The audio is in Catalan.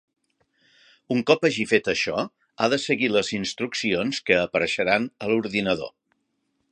Un cop hagi fet això ha de seguir les instruccions que apareixeran a l'ordinador.